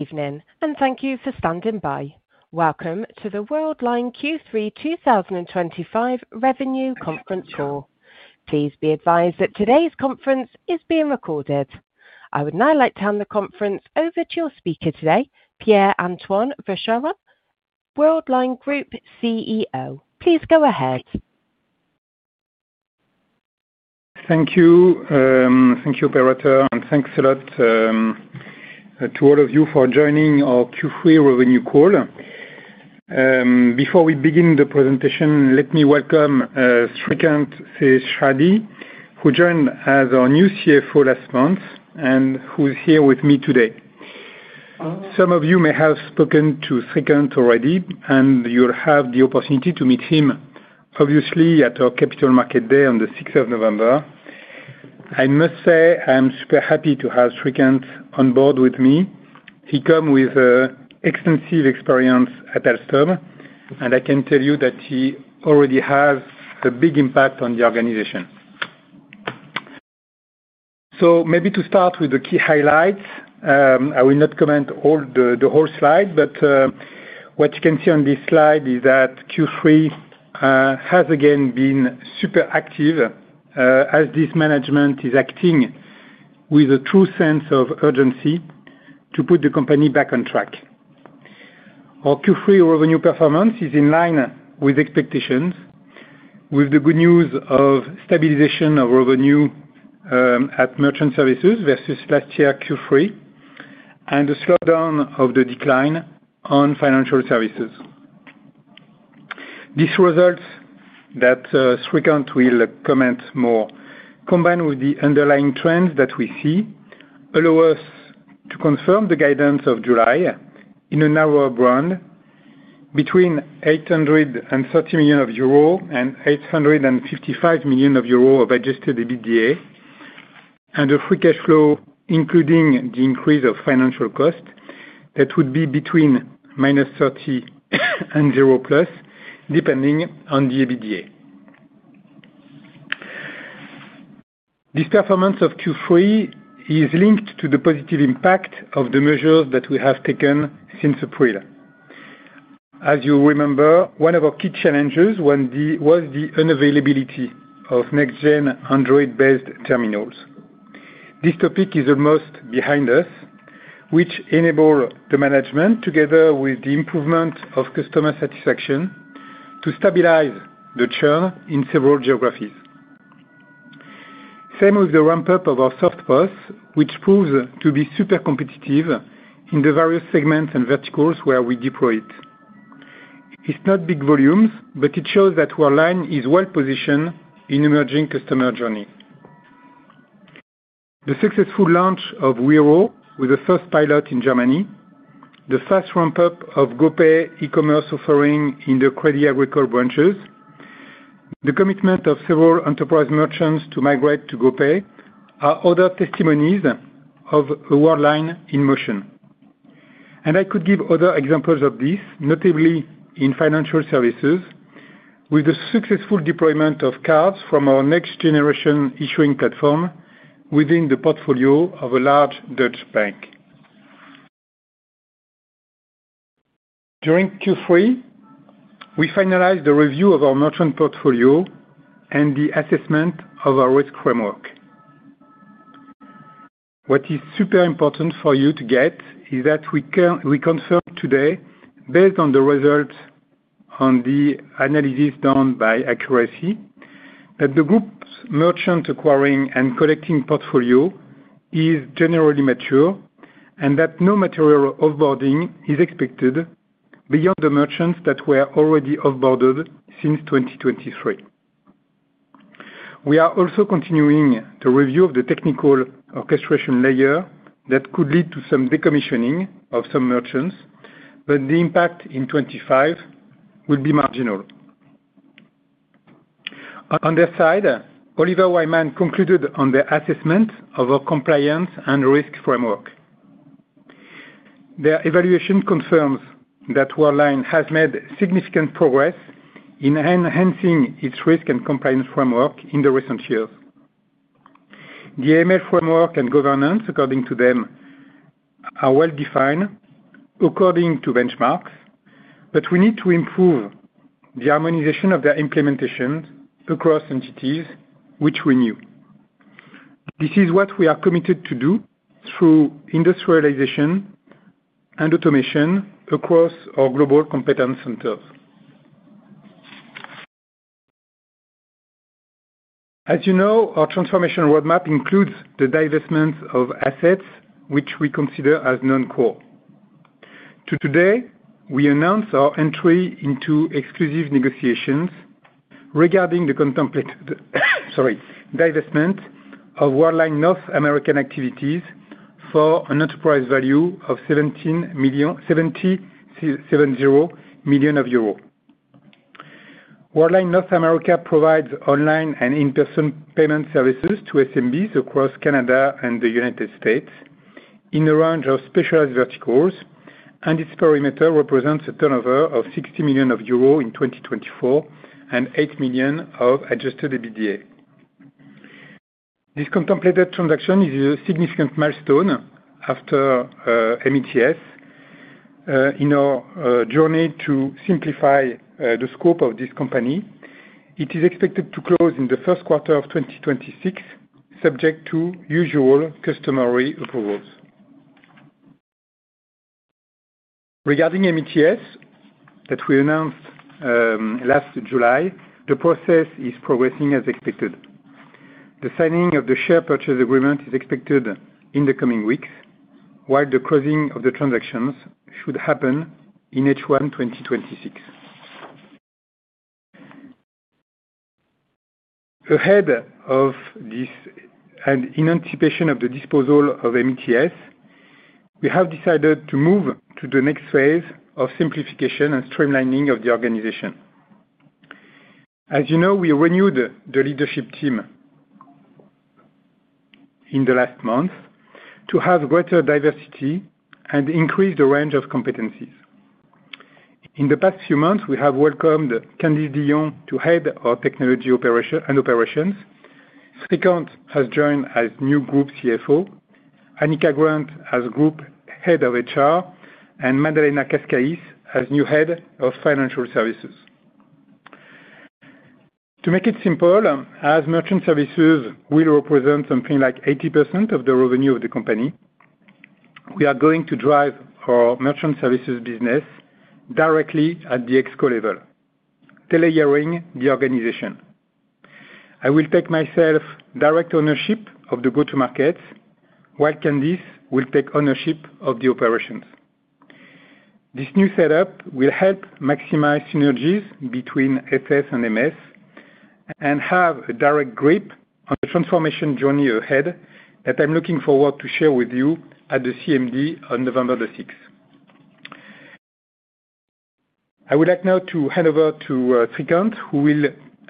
Evening and thank you for standing by. Welcome to the Worldline Q3 2025 Revenue Conference call. Please be advised that today's conference is being recorded. I would now like to hand the conference over to your speaker today, Pierre-Antoine Vacheron, Worldline Group CEO. Please go ahead. Thank you. Thank you, Beretta, and thanks a lot to all of you for joining our Q3 revenue call. Before we begin the presentation, let me welcome Srikanth Seshadri, who joined as our new CFO last month and who's here with me today. Some of you may have spoken to Srikanth already, and you'll have the opportunity to meet him, obviously, at our Capital Markets Day on the 6th of November. I must say I am super happy to have Srikanth on board with me. He comes with an extensive experience at Alstom, and I can tell you that he already has a big impact on the organization. Maybe to start with the key highlights, I will not comment on the whole slide, but what you can see on this slide is that Q3 has again been super active as this management is acting with a true sense of urgency to put the company back on track. Our Q3 revenue performance is in line with expectations, with the good news of stabilization of revenue at merchant services versus last year Q3 and the slowdown of the decline on financial services. These results that Srikanth will comment more, combined with the underlying trends that we see, allow us to confirm the guidance of July in a narrower band between 830 million euro and 855 million euro of Adjusted EBITDA, and a free cash flow, including the increase of financial cost, that would be between -30 million and 0+, depending on the EBITDA. This performance of Q3 is linked to the positive impact of the measures that we have taken since April. As you remember, one of our key challenges was the unavailability of next-gen Android-based terminals. This topic is almost behind us, which enabled the management, together with the improvement of customer satisfaction, to stabilize the churn in several geographies. Same with the ramp-up of our SoftPOS, which proves to be super competitive in the various segments and verticals where we deploy it. It's not big volumes, but it shows that our line is well positioned in emerging customer journeys. The successful launch of Wero with the first pilot in Germany, the fast ramp-up of GoPay e-commerce offering in the Crédit Agricole branches, the commitment of several enterprise merchants to migrate to GoPay are other testimonies of a Worldline in motion. I could give other examples of this, notably in financial services, with the successful deployment of cards from our next-generation issuing platform within the portfolio of a large Dutch bank. During Q3, we finalized the review of our merchant portfolio and the assessment of our risk framework. What is super important for you to get is that we confirmed today, based on the results on the analysis done by Accuracy, that the group's merchant acquiring and collecting portfolio is generally mature and that no material offboarding is expected beyond the merchants that were already offboarded since 2023. We are also continuing the review of the technical orchestration layer that could lead to some decommissioning of some merchants, but the impact in 2025 will be marginal. On that side, Oliver Wyman concluded on the assessment of our compliance and risk framework. Their evaluation confirms that Worldline has made significant progress in enhancing its risk and compliance framework in the recent years. The AML framework and governance, according to them, are well defined according to benchmarks, but we need to improve the harmonization of their implementations across entities, which we knew. This is what we are committed to do through industrialization and automation across our global competence centers. As you know, our transformation roadmap includes the divestment of assets, which we consider as non-core. Today, we announce our entry into exclusive negotiations regarding the contemplated divestment of Worldline North American activities for an enterprise value of 70 million euros. Worldline North America provides online and in-person payment services to SMBs across Canada and the United States in a range of specialized verticals, and its perimeter represents a turnover of 60 million euro in 2024 and 8 million of Adjusted EBITDA. This contemplated transaction is a significant milestone after METS in our journey to simplify the scope of this company. It is expected to close in the first quarter of 2026, subject to usual customary approvals. Regarding METS that we announced last July, the process is progressing as expected. The signing of the share purchase agreement is expected in the coming weeks, while the closing of the transactions should happen in H1 2026. Ahead of this and in anticipation of the disposal of METS, we have decided to move to the next phase of simplification and streamlining of the organization. As you know, we renewed the leadership team in the last month to have greater diversity and increase the range of competencies. In the past few months, we have welcomed Candice Dillon to head our Technology & Operations. Srikanth has joined as new Group CFO, Anika Grant as Group Head of HR, and Madalena Cascais as new Head of Financial Services. To make it simple, as Merchant Services will represent something like 80% of the revenue of the company, we are going to drive our Merchant Services business directly at the ExCo level, delayering the organization. I will take myself direct ownership of the go-to-markets, while Candice will take ownership of the operations. This new setup will help maximize synergies between SS and MS and have a direct grip on the transformation journey ahead that I'm looking forward to share with you at the Capital Markets Day on November 6th. I would like now to hand over to Srikanth, who will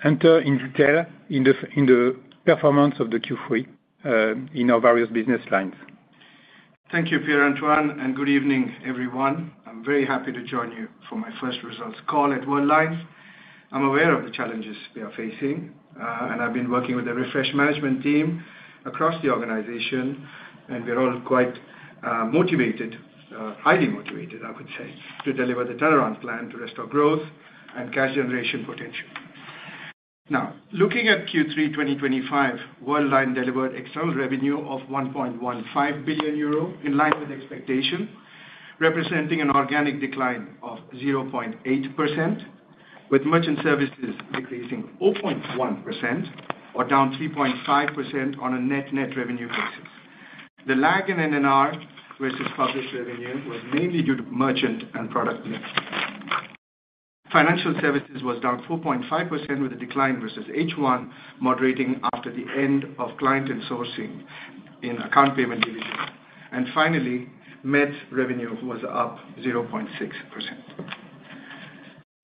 enter in detail in the performance of Q3 in our various business lines. Thank you, Pierre-Antoine, and good evening, everyone. I'm very happy to join you for my first results call at Worldline. I'm aware of the challenges we are facing, and I've been working with the refreshed management team across the organization, and we're all quite motivated, highly motivated, I would say, to deliver the tolerance plan to restore growth and cash generation potential. Now, looking at Q3 2025, Worldline delivered external revenue of 1.15 billion euro in line with expectation, representing an organic decline of 0.8%, with merchant services decreasing 0.1% or down 3.5% on a net-net revenue basis. The lag in NNR versus published revenue was mainly due to merchant and product delay. Financial services was down 4.5% with a decline versus H1, moderating after the end of client and sourcing in account payment division. Finally, net revenue was up 0.6%.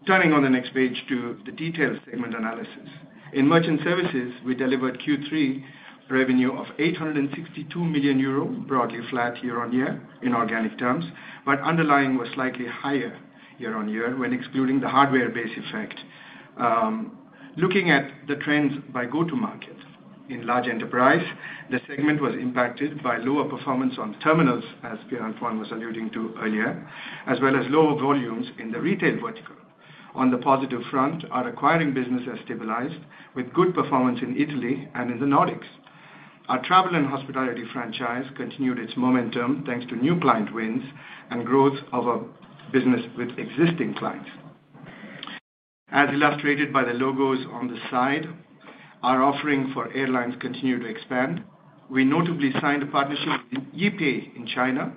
Turning on the next page to the detailed segment analysis. In merchant services, we delivered Q3 revenue of 862 million euro, broadly flat year-on-year in organic terms, but underlying was slightly higher year-on-year when excluding the hardware-based effect. Looking at the trends by go-to-market in large enterprise, the segment was impacted by lower performance on terminals, as Pierre-Antoine was alluding to earlier, as well as lower volumes in the retail vertical. On the positive front, our acquiring business has stabilized with good performance in Italy and in the Nordics. Our travel and hospitality franchise continued its momentum thanks to new client wins and growth of our business with existing clients. As illustrated by the logos on the side, our offering for airlines continued to expand. We notably signed a partnership with YeePay in China,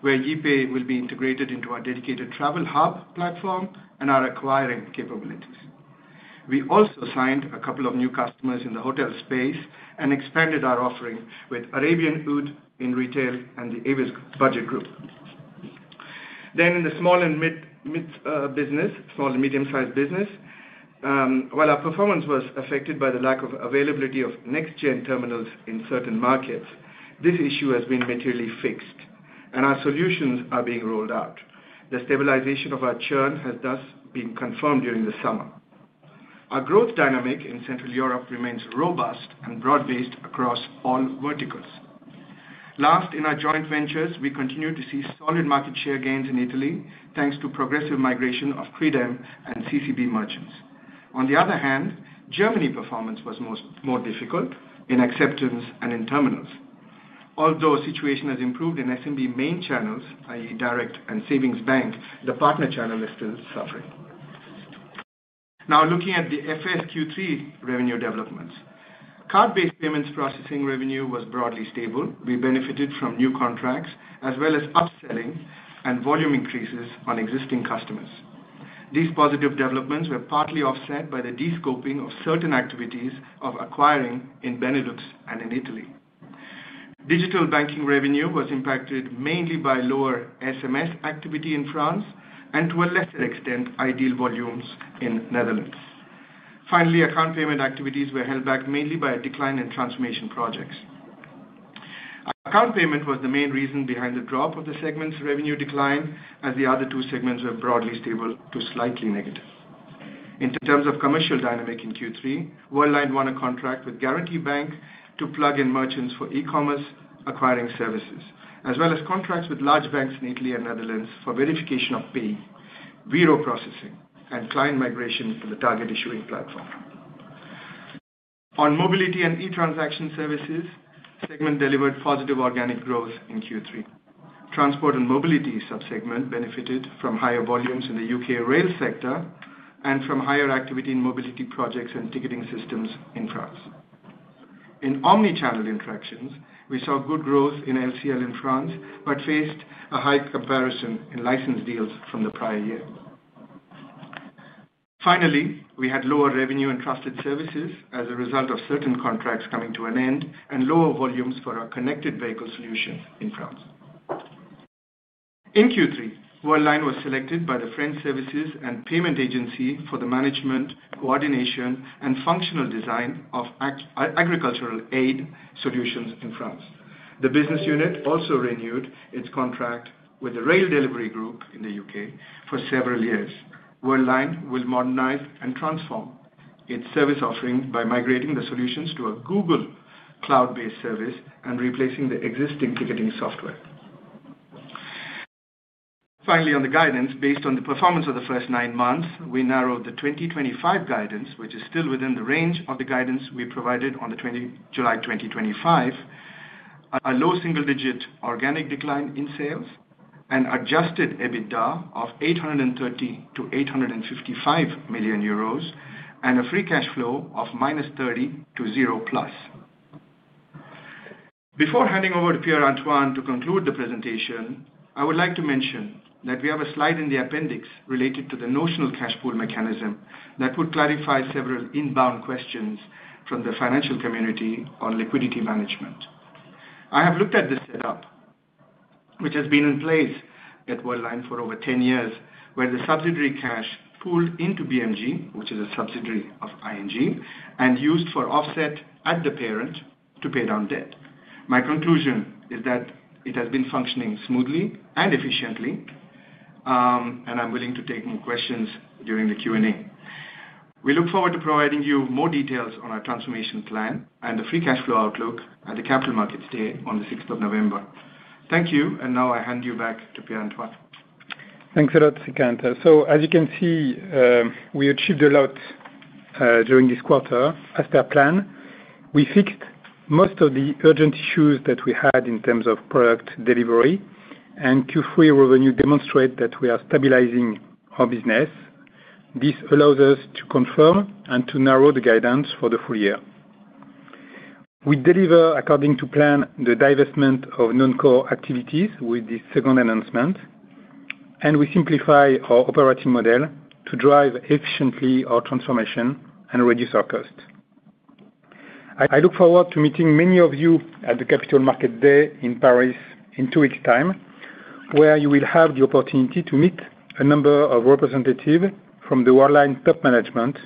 where YeePay will be integrated into our dedicated travel hub platform and our acquiring capabilities. We also signed a couple of new customers in the hotel space and expanded our offering with Arabian Oud in retail and the Avis Budget Group. In the small and mid-sized business, while our performance was affected by the lack of availability of next-gen terminals in certain markets, this issue has been materially fixed, and our solutions are being rolled out. The stabilization of our churn has thus been confirmed during the summer. Our growth dynamic in Central Europe remains robust and broad-based across all verticals. Last, in our joint ventures, we continue to see solid market share gains in Italy, thanks to progressive migration of Freedom and CCB merchants. On the other hand, Germany's performance was more difficult in acceptance and in terminals. Although the situation has improved in SMB main channels, i.e., direct and savings bank, the partner channel is still suffering. Now, looking at the FSQ3 revenue developments, card-based payments processing revenue was broadly stable. We benefited from new contracts, as well as upselling and volume increases on existing customers. These positive developments were partly offset by the de-scoping of certain activities of acquiring in Benelux and in Italy. Digital banking revenue was impacted mainly by lower SMS activity in France and, to a lesser extent, iDEAL volumes in the Netherlands. Finally, account payment activities were held back mainly by a decline in transformation projects. Account payment was the main reason behind the drop of the segment's revenue decline, as the other two segments were broadly stable to slightly negative. In terms of commercial dynamic in Q3, Worldline won a contract with Guaranty Bank to plug in merchants for e-commerce acquiring services, as well as contracts with large banks in Italy and Netherlands for verification of pay, Wero processing, and client migration to the target issuing platform. On mobility and e-transaction services, the segment delivered positive organic growth in Q3. Transport and mobility subsegment benefited from higher volumes in the UK rail sector and from higher activity in mobility projects and ticketing systems in France. In omnichannel interactions, we saw good growth in LCL in France, but faced a high comparison in license deals from the prior year. Finally, we had lower revenue in trusted services as a result of certain contracts coming to an end and lower volumes for our connected vehicle solutions in France. In Q3, Worldline was selected by the French services and payment agency for the management, coordination, and functional design of agricultural aid solutions in France. The business unit also renewed its contract with the Rail Delivery Group in the U.K. for several years. Worldline will modernize and transform its service offering by migrating the solutions to a Google cloud-based service and replacing the existing ticketing software. Finally, on the guidance, based on the performance of the first nine months, we narrowed the 2025 guidance, which is still within the range of the guidance we provided in July 2025: a low single-digit organic decline in sales, an Adjusted EBITDA of 830 million-855 million euros, and a free cash flow of -30 million to 0+. Before handing over to Pierre-Antoine to conclude the presentation, I would like to mention that we have a slide in the appendix related to the notional cash pool mechanism that would clarify several inbound questions from the financial community on liquidity management. I have looked at the setup, which has been in place at Worldline for over 10 years, where the subsidiary cash is pooled into BMG, which is a subsidiary of ING, and used for offset at the parent to pay down debt. My conclusion is that it has been functioning smoothly and efficiently, and I'm willing to take more questions during the Q&A. We look forward to providing you more details on our transformation plan and the free cash flow outlook at the Capital Markets Day on the 6th of November. Thank you, and now I hand you back to Pierre-Antoine. Thanks a lot, Srikanth. As you can see, we achieved a lot during this quarter as per plan. We fixed most of the urgent issues that we had in terms of product delivery, and Q3 revenue demonstrates that we are stabilizing our business. This allows us to confirm and to narrow the guidance for the full year. We deliver, according to plan, the divestment of non-core activities with the second announcement, and we simplify our operating model to drive efficiently our transformation and reduce our costs. I look forward to meeting many of you at the Capital Markets Day in Paris in two weeks' time, where you will have the opportunity to meet a number of representatives from the Worldline top management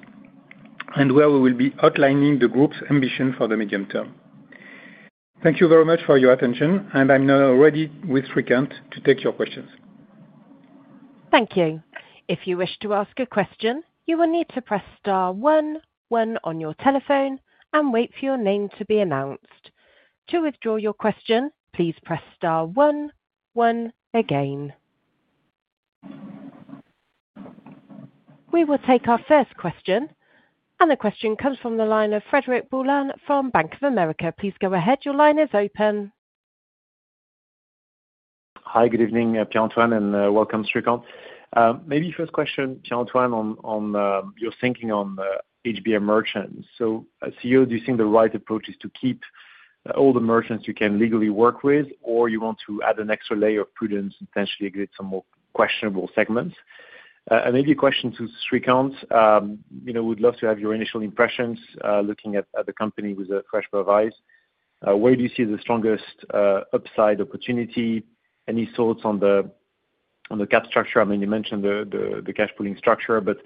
and where we will be outlining the group's ambition for the medium term. Thank you very much for your attention, and I'm now ready with Srikanth to take your questions. Thank you. If you wish to ask a question, you will need to press star one, one on your telephone, and wait for your name to be announced. To withdraw your question, please press star one, one again. We will take our first question, and the question comes from the line of Frédéric Boulan from Bank of America. Please go ahead. Your line is open. Hi. Good evening, Pierre-Antoine, and welcome, Srikanth. Maybe first question, Pierre-Antoine, on your thinking on HBM merchants. As CEO, do you think the right approach is to keep all the merchants you can legally work with, or you want to add an extra layer of prudence and potentially exit some more questionable segments? Maybe a question to Srikanth. We'd love to have your initial impressions looking at the company with a fresh pair of eyes. Where do you see the strongest upside opportunity? Any thoughts on the cap structure? You mentioned the cash pooling structure, but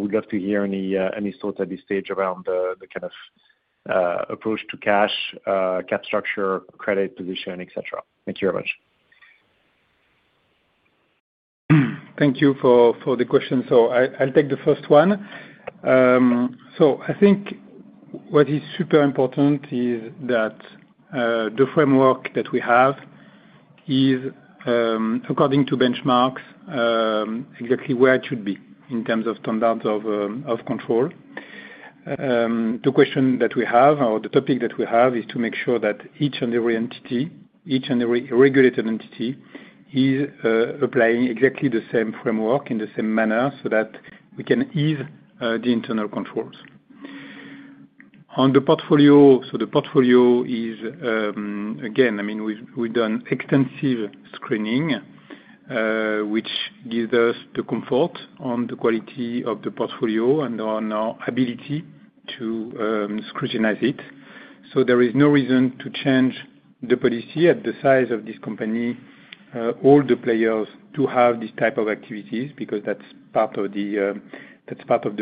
we'd love to hear any thoughts at this stage around the kind of approach to cash, cap structure, credit position, etc. Thank you very much. Thank you for the question. I'll take the first one. I think what is super important is that the framework that we have is, according to benchmarks, exactly where it should be in terms of standards of control. The question that we have, or the topic that we have, is to make sure that each and every entity, each and every regulated entity, is applying exactly the same framework in the same manner so that we can ease the internal controls. On the portfolio, the portfolio is, again, we've done extensive screening, which gives us the comfort on the quality of the portfolio and on our ability to scrutinize it. There is no reason to change the policy at the size of this company, all the players, to have this type of activities because that's part of the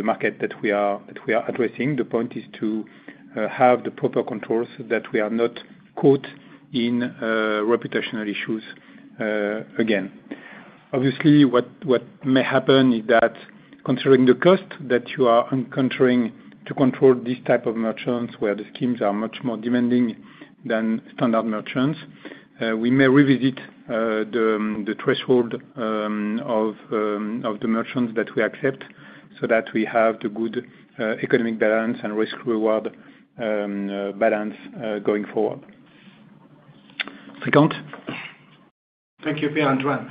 market that we are addressing. The point is to have the proper controls so that we are not caught in reputational issues again. Obviously, what may happen is that, considering the cost that you are encountering to control this type of merchants, where the schemes are much more demanding than standard merchants, we may revisit the threshold of the merchants that we accept so that we have the good economic balance and risk-reward balance going forward. Srikanth. Thank you, Pierre-Antoine,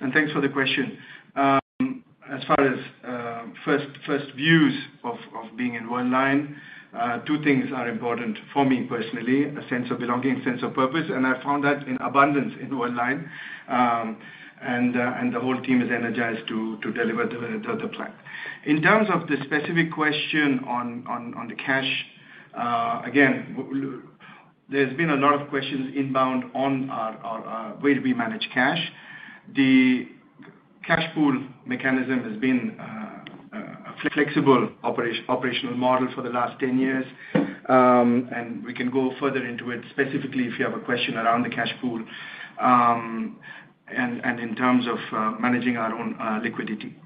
and thanks for the question. As far as first views of being in Worldline, two things are important for me personally: a sense of belonging, a sense of purpose, and I found that in abundance in Worldline. The whole team is energized to deliver the plan. In terms of the specific question on the cash, there's been a lot of questions inbound on where do we manage cash. The cash pool mechanism has been a flexible operational model for the last 10 years, and we can go further into it specifically if you have a question around the cash pool and in terms of managing our own liquidity.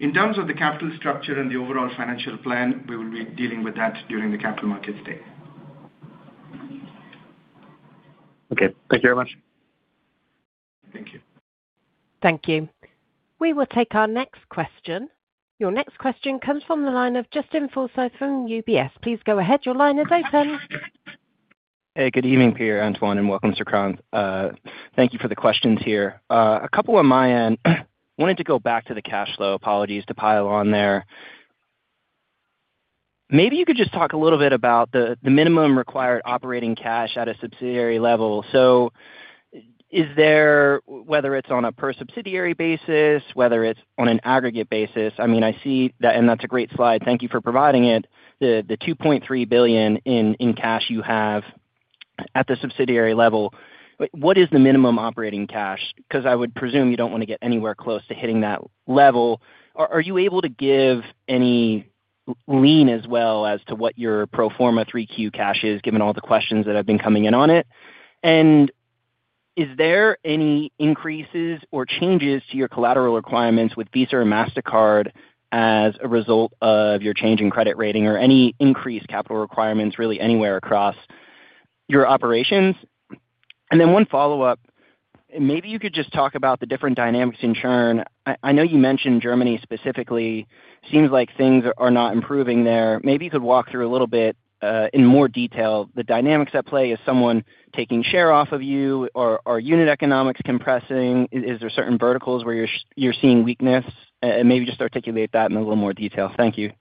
In terms of the capital structure and the overall financial plan, we will be dealing with that during the Capital Markets Day. Okay, thank you very much. Thank you. Thank you. We will take our next question. Your next question comes from the line of Justin Forsythe from UBS. Please go ahead. Your line is open. Hey. Good evening, Pierre-Antoine, and welcome, Srikanth. Thank you for the questions here. A couple on my end. I wanted to go back to the cash flow. Apologies to pile on there. Maybe you could just talk a little bit about the minimum required operating cash at a subsidiary level. Is there, whether it's on a per-subsidiary basis or on an aggregate basis? I see that, and that's a great slide. Thank you for providing it. The 2.3 billion in cash you have at the subsidiary level, what is the minimum operating cash? I would presume you don't want to get anywhere close to hitting that level. Are you able to give any lean as well as to what your pro forma Q3 cash is, given all the questions that have been coming in on it? Is there any increases or changes to your collateral requirements with Visa or Mastercard as a result of your change in credit rating, or any increased capital requirements really anywhere across your operations? One follow-up. Maybe you could just talk about the different dynamics in churn. I know you mentioned Germany specifically. It seems like things are not improving there. Maybe you could walk through a little bit in more detail the dynamics at play. Is someone taking share off of you? Are unit economics compressing? Is there certain verticals where you're seeing weakness? Maybe just articulate that in a little more detail. Thank you.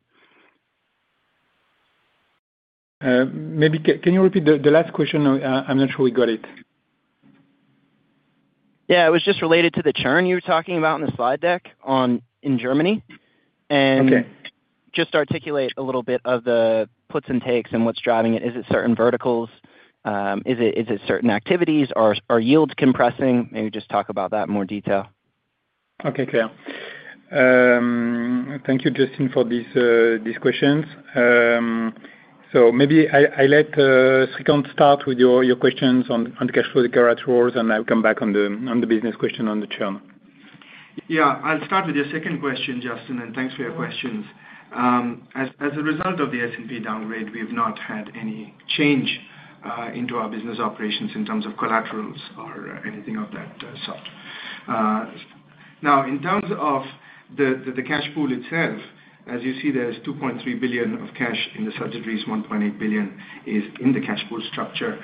Maybe can you repeat the last question? I'm not sure we got it. Yeah. It was just related to the churn you were talking about in the slide deck in Germany. Just to articulate a little bit of the puts and takes and what's driving it. Is it certain verticals? Is it certain activities? Are yields compressing? Maybe just talk about that in more detail. Okay. Thank you, Justin, for these questions. Maybe I let Srikanth start with your questions on the cash flow, the collaterals, and I'll come back on the business question on the churn. Yeah. I'll start with your second question, Justin, and thanks for your questions. As a result of the S&P downgrade, we've not had any change into our business operations in terms of collateral or anything of that sort. In terms of the cash pool itself, as you see, there's 2.3 billion of cash in the subsidiaries. 1.8 billion is in the cash pool structure.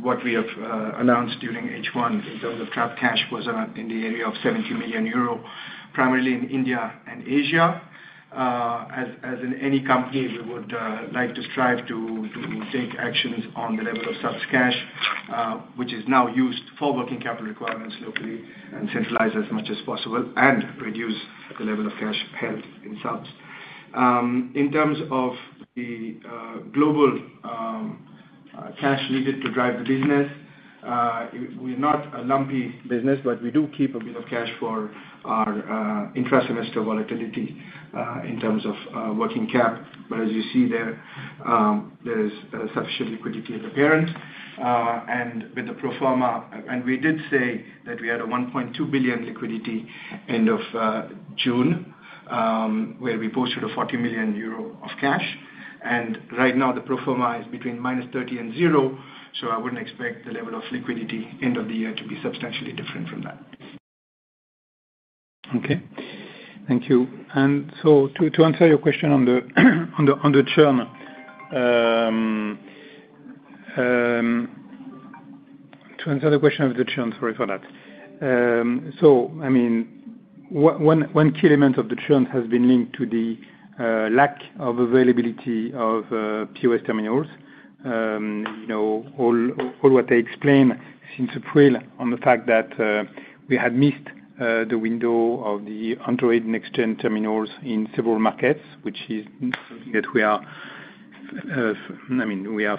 What we have announced during H1 in terms of trapped cash was in the area of 70 million euro, primarily in India and Asia. As in any company, we would like to strive to take actions on the level of subsidiary cash, which is now used for working capital requirements locally and centralized as much as possible and reduce the level of cash held in subsidiaries. In terms of the global cash needed to drive the business, we are not a lumpy business, but we do keep a bit of cash for our intra-semester volatility in terms of working capital. As you see there, there is sufficient liquidity at the parent. With the pro forma, we did say that we had 1.2 billion liquidity end of June, where we posted 40 million euro of cash. Right now, the pro forma is between -30 million and 0, so I wouldn't expect the level of liquidity end of the year to be substantially different from that. Okay. Thank you. To answer your question on the churn, one key element of the churn has been linked to the lack of availability of POS terminals. You know all what I explained since April on the fact that we had missed the window of the Android next-gen terminals in several markets, which is something that we are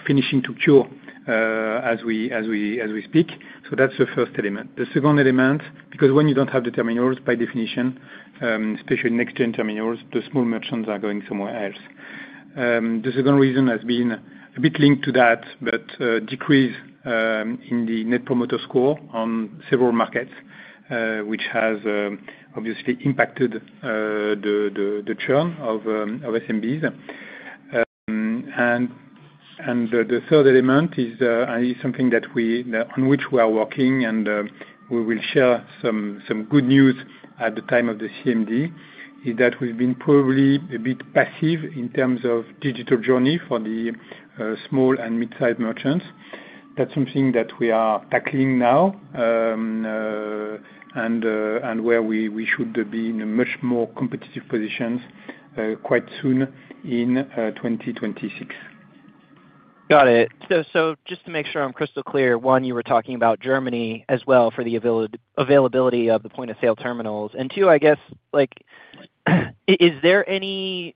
finishing to cure as we speak. That's the first element. The second element, because when you don't have the terminals, by definition, especially next-gen terminals, the small merchants are going somewhere else. The second reason has been a bit linked to that, but a decrease in the Net Promoter Score on several markets, which has obviously impacted the churn of SMBs. The third element is something on which we are working, and we will share some good news at the time of the CMD, is that we've been probably a bit passive in terms of digital journey for the small and mid-sized merchants. That's something that we are tackling now and where we should be in a much more competitive position quite soon in 2026. Got it. Just to make sure I'm crystal clear, one, you were talking about Germany as well for the availability of the point-of-sale (POS) terminals. Two, I guess, is there any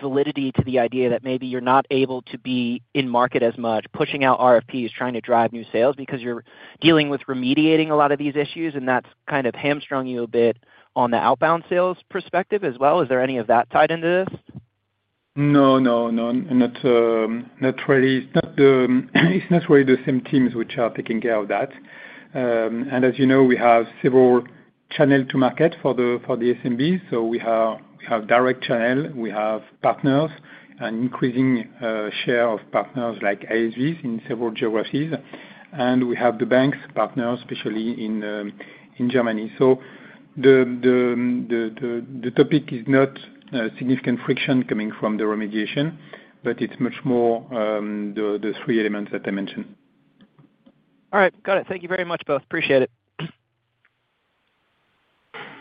validity to the idea that maybe you're not able to be in market as much, pushing out RFPs, trying to drive new sales because you're dealing with remediating a lot of these issues, and that's kind of hamstrung you a bit on the outbound sales perspective as well? Is there any of that tied into this? No, not really. It's not really the same teams which are taking care of that. As you know, we have several channels to market for the SMBs. We have direct channel, we have partners, an increasing share of partners like ISVs in several geographies, and we have the banks partners, especially in Germany. The topic is not significant friction coming from the remediation, but it's much more the three elements that I mentioned. All right. Got it. Thank you very much, both. Appreciate it.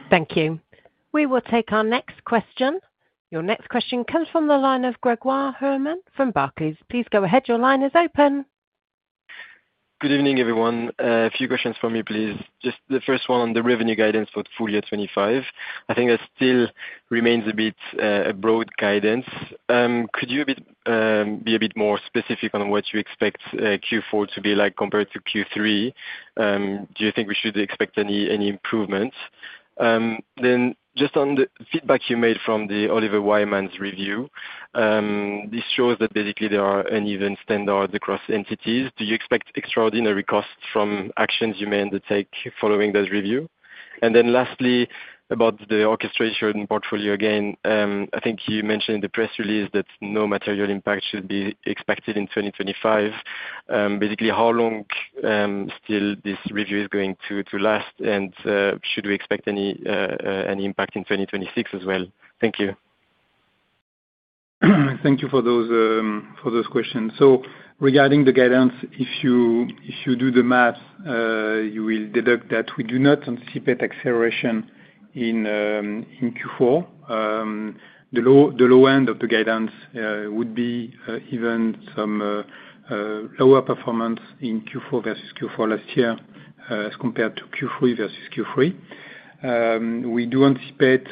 Thank you. We will take our next question. Your next question comes from the line of Grégoire Hermann from Barclays. Please go ahead. Your line is open. Good evening, everyone. A few questions from me, please. Just the first one on the revenue guidance for Q2 2025. I think that still remains a bit a broad guidance. Could you be a bit more specific on what you expect Q4 to be like compared to Q3? Do you think we should expect any improvement? Just on the feedback you made from the Oliver Wyman review, this shows that basically there are uneven standards across entities. Do you expect extraordinary costs from actions you may undertake following that review? Lastly, about the orchestration portfolio again, I think you mentioned in the press release that no material impact should be expected in 2025. Basically, how long still this review is going to last, and should we expect any impact in 2026 as well? Thank you. Thank you for those questions. Regarding the guidance, if you do the math, you will deduct that we do not anticipate acceleration in Q4. The low end of the guidance would be even some lower performance in Q4 versus Q4 last year as compared to Q3 versus Q3. We do anticipate,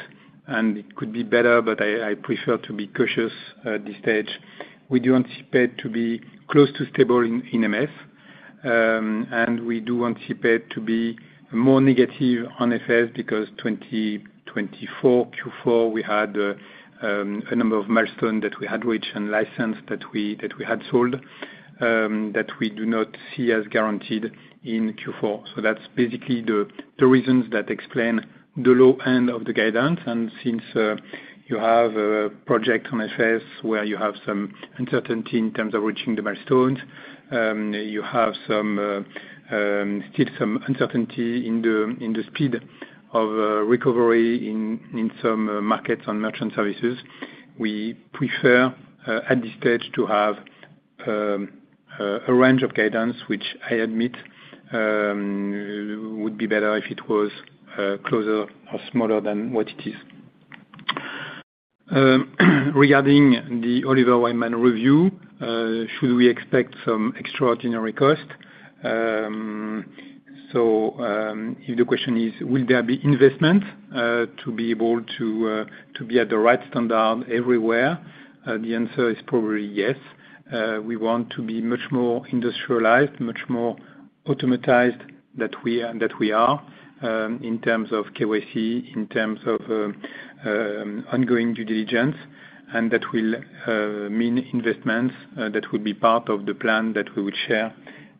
and it could be better, but I prefer to be cautious at this stage. We do anticipate to be close to stable in MS, and we do anticipate to be more negative on FS because 2024 Q4, we had a number of milestones that we had reached and license that we had sold that we do not see as guaranteed in Q4. That's basically the reasons that explain the low end of the guidance. Since you have a project on FS where you have some uncertainty in terms of reaching the milestones, you have still some uncertainty in the speed of recovery in some markets on merchant services, we prefer at this stage to have a range of guidance, which I admit would be better if it was closer or smaller than what it is. Regarding the Oliver Wyman review, should we expect some extraordinary cost? If the question is, will there be investment to be able to be at the right standard everywhere? The answer is probably yes. We want to be much more industrialized, much more automatized than we are in terms of KYC, in terms of ongoing due diligence, and that will mean investments that will be part of the plan that we would share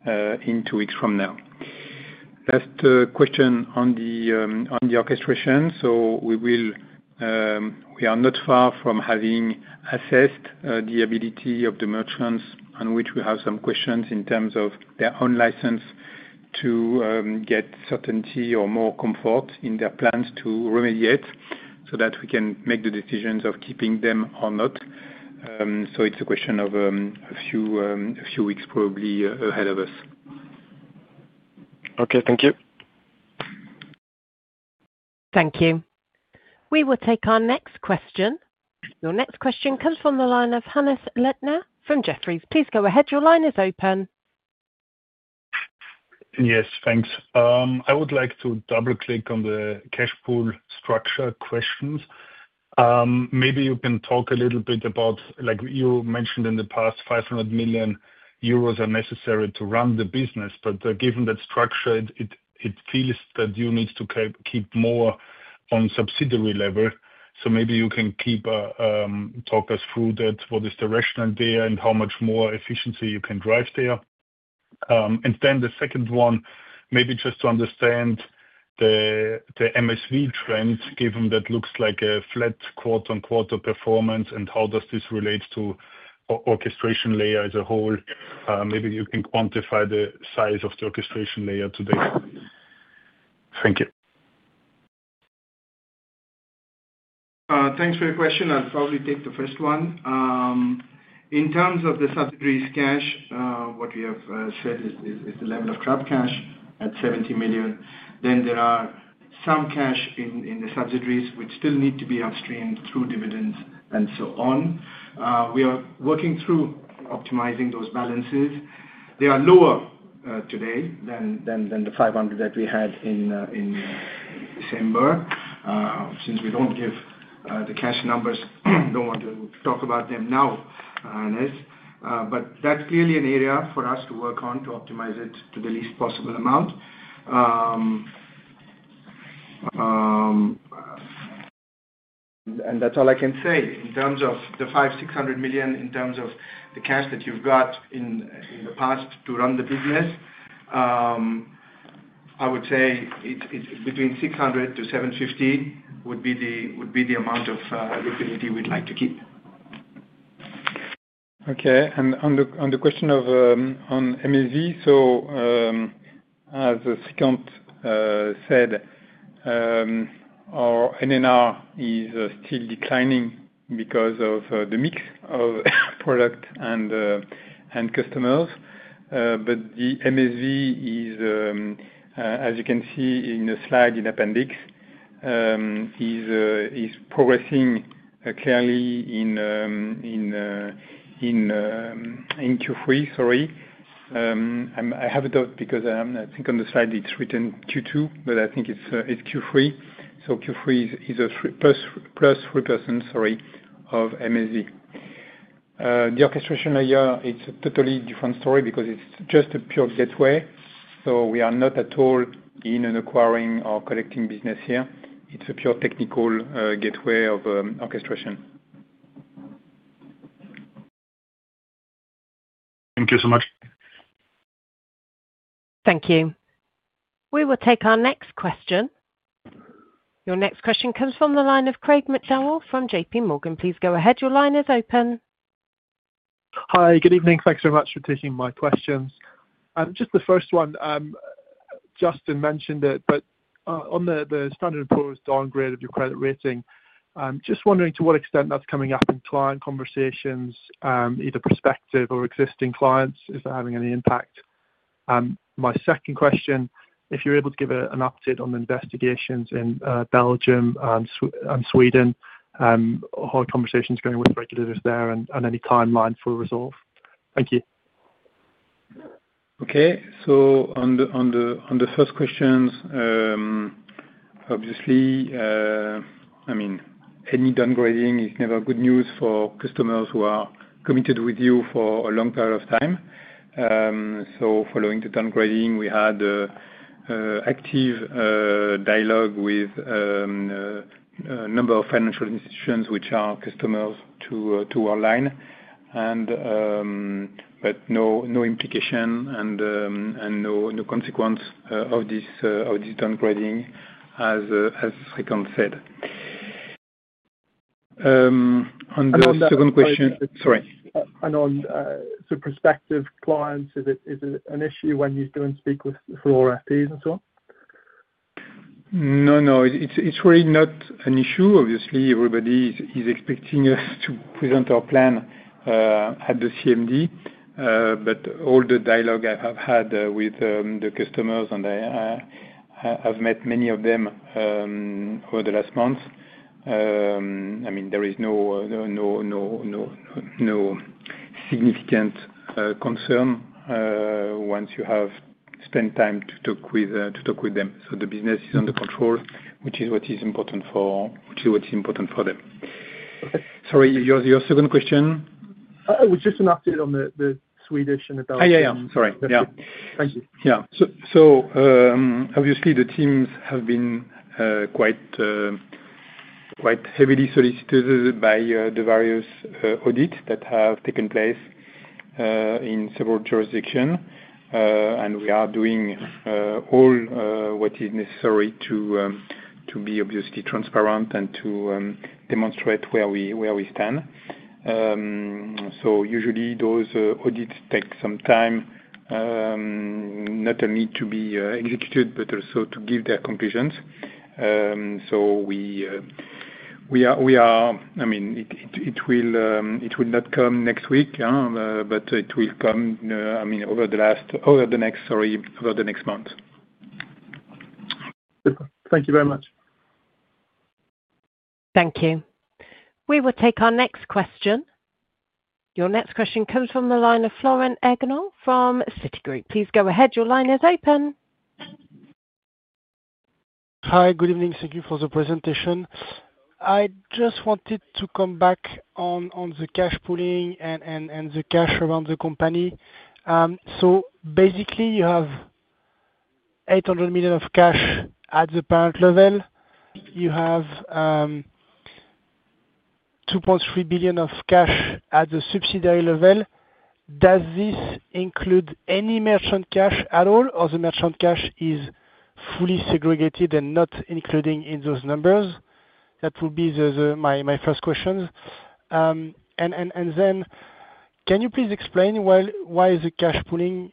in two weeks from now. Last question on the orchestration. We are not far from having assessed the ability of the merchants, on which we have some questions in terms of their own license to get certainty or more comfort in their plans to remediate so that we can make the decisions of keeping them or not. It's a question of a few weeks probably ahead of us. Okay, thank you. Thank you. We will take our next question. Your next question comes from the line of Hannes Lettner from Jefferies. Please go ahead. Your line is open. Yes, thanks. I would like to double-click on the cash pool structure questions. Maybe you can talk a little bit about, like you mentioned in the past, 500 million euros are necessary to run the business. Given that structure, it feels that you need to keep more on subsidiary level. Maybe you can talk us through that. What is the rationale there and how much more efficiency you can drive there? The second one, maybe just to understand the MSV trends, given that it looks like a flat quarter-on-quarter performance, how does this relate to the orchestration layer as a whole? Maybe you can quantify the size of the orchestration layer today. Thank you. Thanks for your question. I'll probably take the first one. In terms of the subsidiary cash, what we have said is the level of trapped cash at 70 million. There are some cash in the subsidiaries which still need to be upstreamed through dividends and so on. We are working through optimizing those balances. They are lower today than the 500 million that we had in December. Since we don't give the cash numbers, I don't want to talk about them now, Hannes. That's clearly an area for us to work on to optimize it to the least possible amount. That's all I can say. In terms of the 500 million, 600 million in terms of the cash that you've got in the past to run the business, I would say it's between 600 million-750 million would be the amount of liquidity we'd like to keep. Okay. On the question of MSV, as Srikanth said, our NNR is still declining because of the mix of product and customers. The MSV is, as you can see in the slide in the appendix, progressing clearly in Q3. I have a doubt because I think on the slide it's written Q2, but I think it's Q3. Q3 is a +3% of MSV. The orchestration layer is a totally different story because it's just a pure gateway. We are not at all in an acquiring or collecting business here. It's a pure technical gateway of orchestration. Thank you so much. Thank you. We will take our next question. Your next question comes from the line of Craig McDowell from JPMorgan. Please go ahead. Your line is open. Hi. Good evening. Thanks very much for taking my questions. The first one, Justin mentioned it, on the S&P downgrade of your credit rating, I'm just wondering to what extent that's coming up in client conversations, either prospective or existing clients, if they're having any impact. My second question, if you're able to give an update on the investigations in Belgium and Sweden, how are conversations going with the regulators there, and any timeline for resolve? Thank you. Okay. On the first question, obviously, any downgrading is never good news for customers who are committed with you for a long period of time. Following the downgrading, we had active dialogue with a number of financial institutions which are customers to Worldline, but no implication and no consequence of this downgrading, as Srikanth said. On the second question, sorry. On some prospective clients, is it an issue when you don't speak with all FDs and so on? No, no. It's really not an issue. Obviously, everybody is expecting us to present our plan at the CMD. All the dialogue I have had with the customers, and I have met many of them over the last month, there is no significant concern once you have spent time to talk with them. The business is under control, which is what is important for them. Sorry, your second question? It was just an update on the Swedish and the Belgian. Yeah, yeah. Sorry. Yeah. Thank you. Obviously, the teams have been quite heavily solicited by the various audits that have taken place in several jurisdictions, and we are doing all what is necessary to be obviously transparent and to demonstrate where we stand. Usually, those audits take some time, not only to be executed, but also to give their conclusions. It will not come next week, but it will come over the next month. Super. Thank you very much. Thank you. We will take our next question. Your next question comes from the line of Florent Eggenau from Citigroup. Please go ahead. Your line is open. Hi. Good evening. Thank you for the presentation. I just wanted to come back on the cash pooling and the cash around the company. You have 800 million of cash at the parent level. You have 2.3 billion of cash at the subsidiary level. Does this include any merchant cash at all, or the merchant cash is fully segregated and not included in those numbers? That would be my first question. Can you please explain why is the cash pooling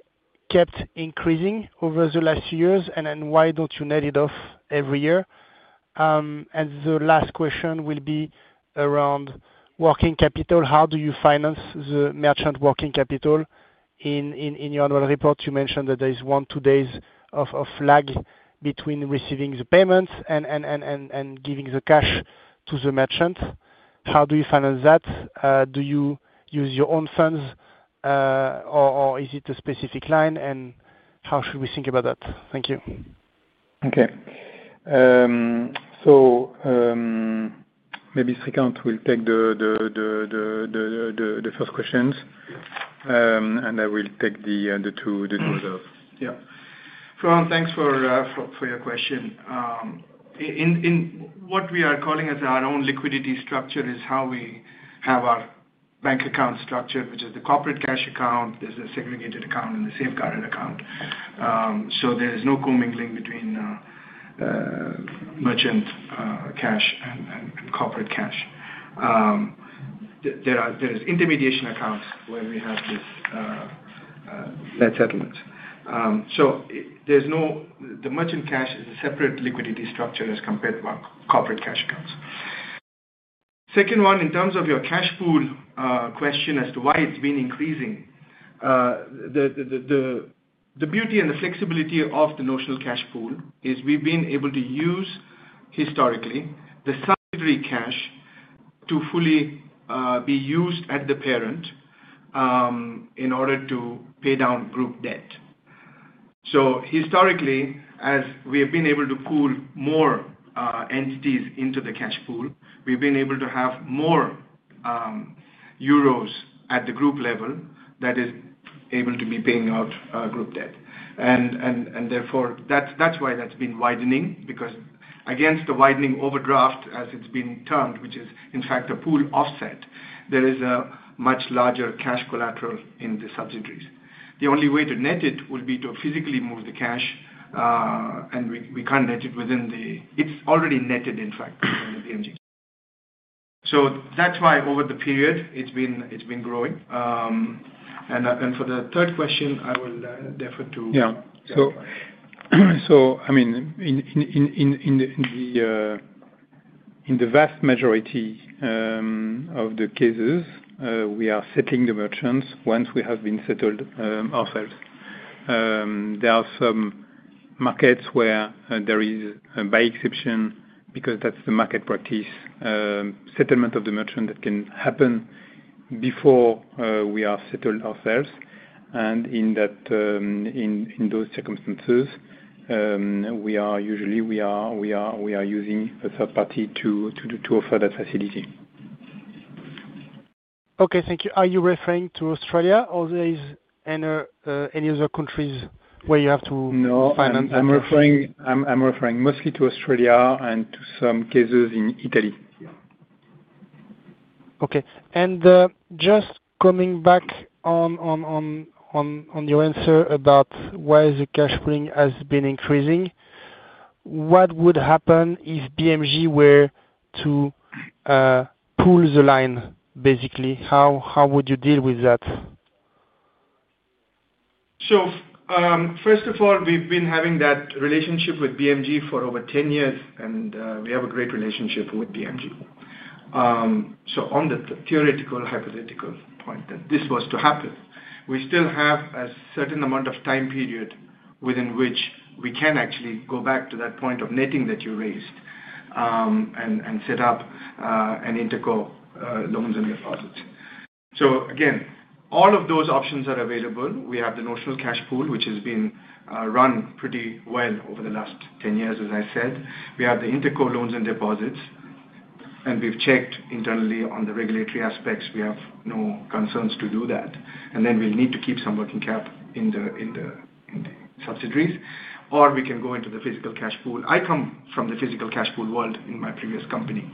kept increasing over the last few years, and why don't you net it off every year? The last question will be around working capital. How do you finance the merchant working capital? In your annual report, you mentioned that there is one, two days of lag between receiving the payments and giving the cash to the merchant. How do you finance that? Do you use your own funds, or is it a specific line, and how should we think about that? Thank you. Okay, maybe Srikanth will take the first questions, and I will take the two results. Yeah. Florent, thanks for your question. In what we are calling as our own liquidity structure is how we have our bank account structured, which is the corporate cash account. There's a segregated account and the safeguarded account. There is no commingling between merchant cash and corporate cash. There are intermediation accounts where we have these debt settlements. The merchant cash is a separate liquidity structure as compared to our corporate cash accounts. Second, in terms of your cash pool question as to why it's been increasing, the beauty and the flexibility of the notional cash pool is we've been able to use historically the subsidiary cash to fully be used at the parent in order to pay down group debt. Historically, as we have been able to pool more entities into the cash pool, we've been able to have more euros at the group level that is able to be paying out group debt. That is why that's been widening because against the widening overdraft, as it's been termed, which is, in fact, a pool offset, there is a much larger cash collateral in the subsidiaries. The only way to net it will be to physically move the cash, and we can't net it within the it's already netted, in fact, within the BMG. That is why over the period, it's been growing. For the third question, I will defer to. In the vast majority of the cases, we are settling the merchants once we have been settled ourselves. There are some markets where, by exception, because that's the market practice, settlement of the merchant can happen before we are settled ourselves. In those circumstances, we are usually using a third party to offer that facility. Okay. Thank you. Are you referring to Australia or any other countries where you have to finance? No, I'm referring mostly to Australia and to some cases in Italy. Okay. Just coming back on your answer about why the cash pooling has been increasing, what would happen if BMG were to pull the line, basically? How would you deal with that? First of all, we've been having that relationship with BMG for over 10 years, and we have a great relationship with BMG. On the theoretical hypothetical point that this was to happen, we still have a certain amount of time period within which we can actually go back to that point of netting that you raised and set up interco loans and deposits. All of those options are available. We have the notional cash pool, which has been run pretty well over the last 10 years, as I said. We have the interco loans and deposits, and we've checked internally on the regulatory aspects. We have no concerns to do that. We'll need to keep some working cap in the subsidiaries, or we can go into the physical cash pool. I come from the physical cash pool world in my previous company.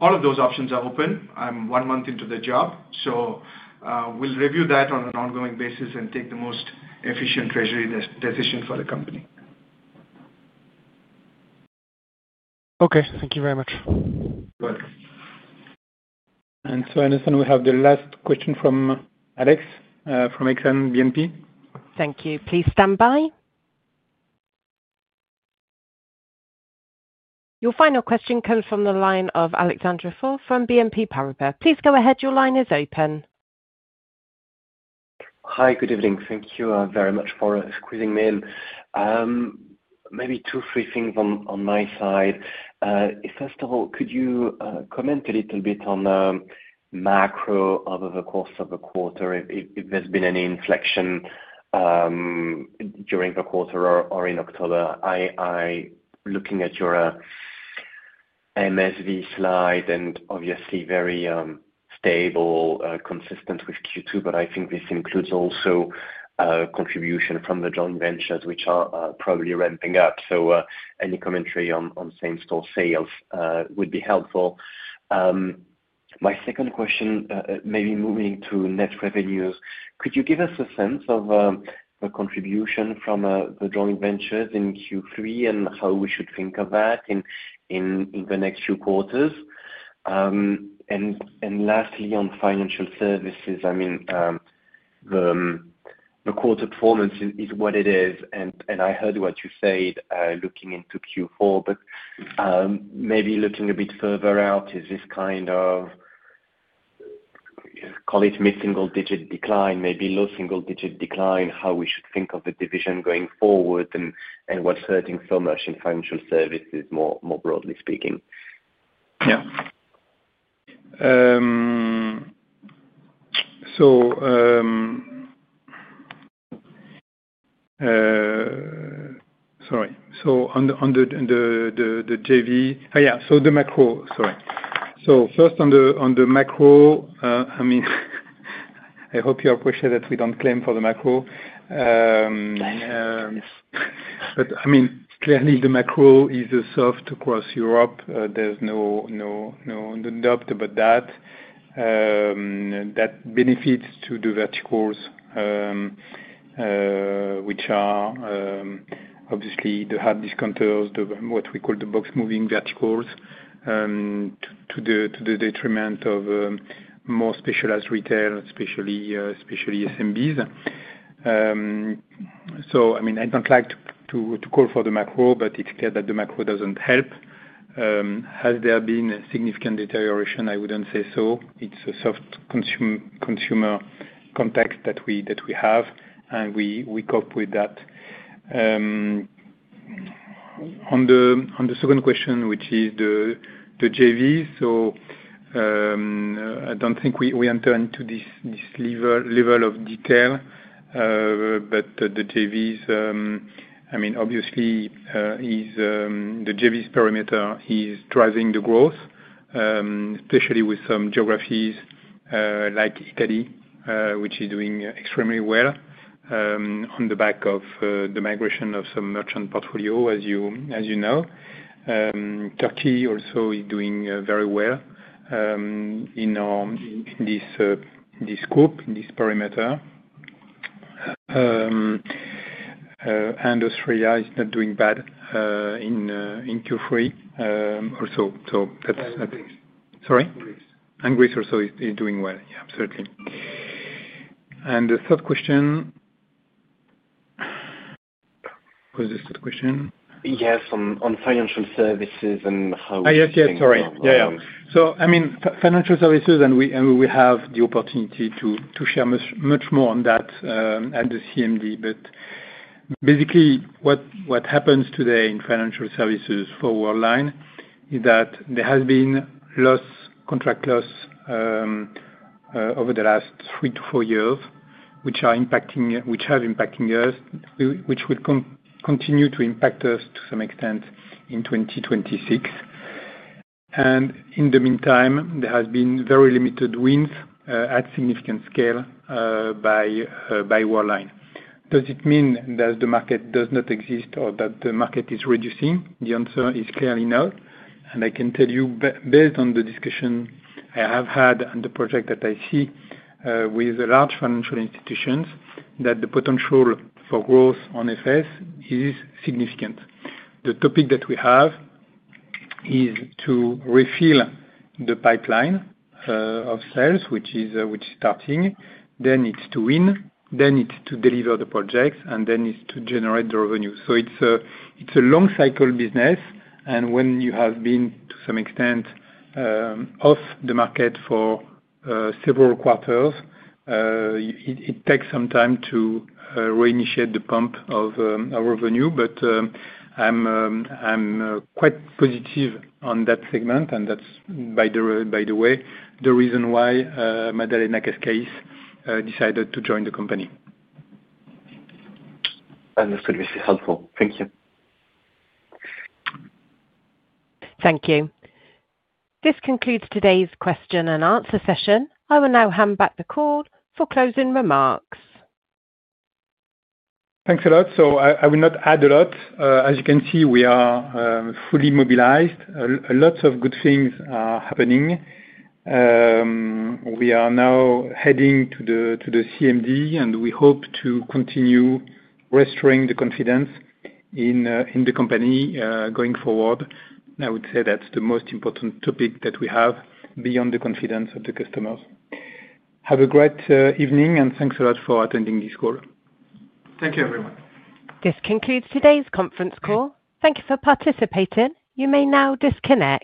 All of those options are open. I'm one month into the job. We'll review that on an ongoing basis and take the most efficient treasury decision for the company. Okay, thank you very much. You're welcome. Alessandro, we have the last question from Alex from Exane BNP. Thank you. Please stand by. Your final question comes from the line of Alexandre Faure from BNP Paribas. Please go ahead. Your line is open. Hi. Good evening. Thank you very much for squeezing me in. Maybe two, three things on my side. First of all, could you comment a little bit on the macro over the course of the quarter? If there's been any inflection during the quarter or in October, I'm looking at your MSV slide, and obviously, very stable, consistent with Q2. I think this includes also a contribution from the joint ventures, which are probably ramping up. Any commentary on same-store sales would be helpful. My second question, maybe moving to net revenue, could you give us a sense of the contribution from the joint ventures in Q3 and how we should think of that in the next few quarters? Lastly, on financial services, I mean, the quarter performance is what it is. I heard what you said looking into Q4, but maybe looking a bit further out, is this kind of, call it, missing or digit decline, maybe low single-digit decline, how we should think of the division going forward and what's hurting so much in financial services, more broadly speaking? Yeah. On the JV, oh yeah, the macro, sorry. First, on the macro, I hope you appreciate that we don't claim for the macro. Clearly, the macro is soft across Europe. There's no doubt about that. That benefits the verticals, which are obviously the hard discounters, what we call the box moving verticals, to the detriment of more specialized retail, especially SMBs. I don't like to call for the macro, but it's clear that the macro doesn't help. Has there been a significant deterioration? I wouldn't say so. It's a soft consumer context that we have, and we cope with that. On the second question, which is the JV, I don't think we enter into this level of detail, but the JVs, obviously, the JV's perimeter is driving the growth, especially with some geographies like Italy, which is doing extremely well on the back of the migration of some merchant portfolio, as you know. Turkey also is doing very well in this scope, in this perimeter. Australia is not doing bad in Q3 also. That's it. Greece. Sorry? Greece. Greece also is doing well. Yeah, absolutely. What was the third question? Yes, on financial services and how. Yes, yes. Sorry. Yeah, yeah. I mean, financial services, and we have the opportunity to share much more on that at the CMD. Basically, what happens today in financial services for Worldline is that there has been loss, contract loss, over the last three to four years, which have impacted us, which will continue to impact us to some extent in 2026. In the meantime, there has been very limited wins at significant scale by Worldline. Does it mean that the market does not exist or that the market is reducing? The answer is clearly no. I can tell you, based on the discussion I have had and the project that I see with the large financial institutions, that the potential for growth on FS is significant. The topic that we have is to refill the pipeline of sales, which is starting. It is to win. It is to deliver the projects. It is to generate the revenue. It is a long-cycle business. When you have been, to some extent, off the market for several quarters, it takes some time to reinitiate the pump of our revenue. I'm quite positive on that segment. That is, by the way, the reason why Madalena Cascais decided to join the company. I understood. This is helpful. Thank you. Thank you. This concludes today's question and answer session. I will now hand back the call for closing remarks. Thanks a lot. I will not add a lot. As you can see, we are fully mobilized. Lots of good things are happening. We are now heading to the CMD, and we hope to continue restoring the confidence in the company going forward. I would say that's the most important topic that we have beyond the confidence of the customers. Have a great evening, and thanks a lot for attending this call. Thank you, everyone. This concludes today's conference call. Thank you for participating. You may now disconnect.